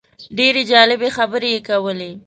ډېرې جالبې خبرې یې کولې.